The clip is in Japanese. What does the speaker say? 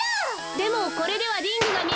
でもこれではリングがみえ。